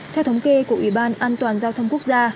theo thống kê của ủy ban an toàn giao thông quốc gia